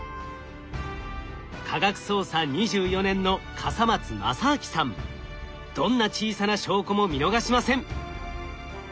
科学捜査２４年のどんな小さな証拠も見逃しません。